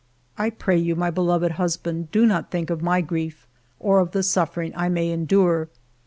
I pray you, my beloved hus band, do not think of my grief or of the suffering I may endure.